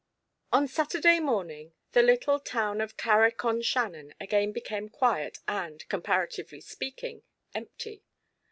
On Saturday morning the little town of Carrick on Shannon again became quiet and, comparatively speaking, empty.